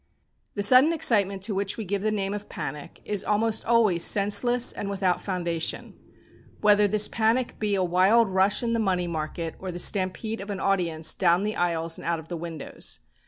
The sudden excitement to which we give the name of "panic" is almost always senseless and without foundation, whether this panic be a wild rush in the money market or the stampede of an audience down the aisles and out of the windows.